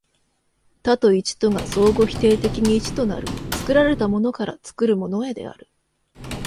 多と一とが相互否定的に一となる、作られたものから作るものへである。